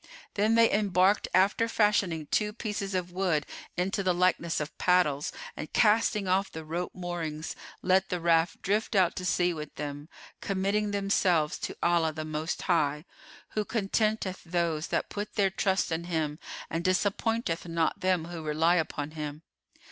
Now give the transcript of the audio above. Then they embarked after fashioning two pieces of wood into the likeness of paddles and casting off the rope moorings, let the raft drift out to sea with them, committing themselves to Allah the Most High, who contenteth those that put their trust in Him and disappointeth not them who rely upon Him.